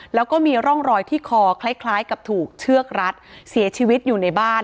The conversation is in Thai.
แล้วก็มีร่องรอยที่คอคล้ายกับถูกเชือกรัดเสียชีวิตอยู่ในบ้าน